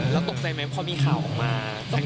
แล้วตกใจไหมพอมีข่าวออกมา